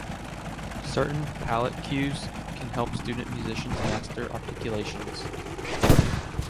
Certain palate cues can help student musicians master articulations.